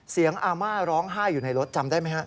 เสียงอามาร้องไห้อยู่ในรถจำได้ไหมครับ